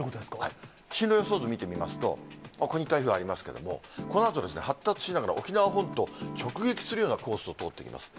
進路予想図見てみますと、ここに台風ありますけども、このあと、発達しながら沖縄本島を直撃するようなコースを通っていきます。